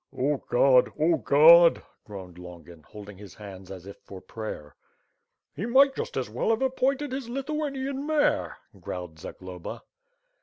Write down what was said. "Oh God! Oh God!" groaned Longin, holding his hands as if for prayer. "He might just as well have appointed his Lithuanian mare." growled Zagloba.